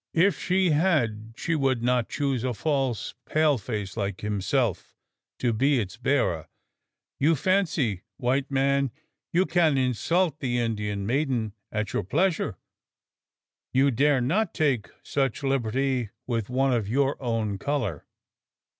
"If she had, she would not choose a false pale face, like himself, to be its bearer. You fancy, white man, you can insult the Indian maiden at your pleasure? You dare not take such liberty with one of your own colour?"